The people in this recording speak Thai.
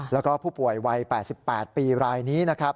แล้วก็ผู้ป่วยวัย๘๘ปีรายนี้